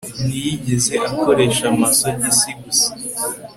ntiyigeze akoresha amasogisi, gusa